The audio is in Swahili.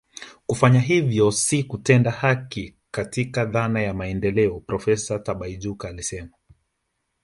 Kufanya hivyo si kutenda haki katika dhana ya maendeleo Profesa Tibaijuka alisema